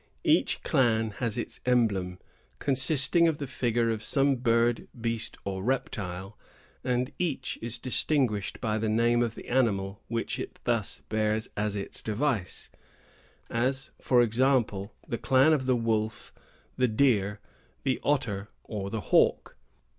Each clan has its emblem, consisting of the figure of some bird, beast, or reptile; and each is distinguished by the name of the animal which it thus bears as its device; as, for example, the clan of the Wolf, the Deer, the Otter, or the Hawk.